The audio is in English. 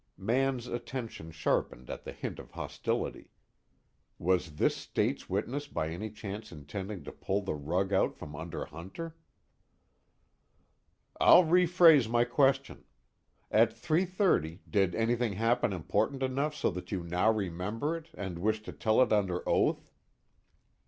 Mann's attention sharpened at the hint of hostility. Was this State's witness by any chance intending to pull the rug out from under Hunter? "I'll rephrase my question. At 3:30, did anything happen important enough so that you now remember it and wish to tell it under oath?"